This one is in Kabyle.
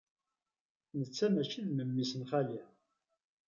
Netta maci d memmi-s n xali.